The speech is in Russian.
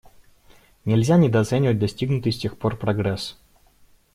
Нельзя недооценивать достигнутый с тех пор прогресс.